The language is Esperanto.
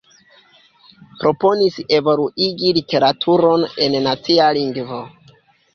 Proponis evoluigi literaturon en nacia lingvo.